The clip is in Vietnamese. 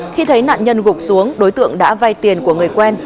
khi thấy nạn nhân gục xuống đối tượng đã vay tiền của người quen